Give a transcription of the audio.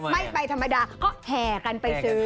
ไม่ไปธรรมดาก็แห่กันไปซื้อ